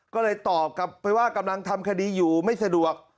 ก็เลยตอบกลับไปว่ากำลังทำคดีอยู่ไม่สะดวก